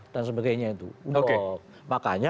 dan sebagainya itu makanya